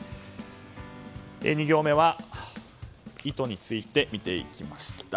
２行目は意図について見ていきました。